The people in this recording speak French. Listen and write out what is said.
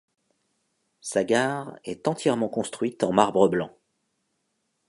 Sa gare est entièrement construite en marbre blanc.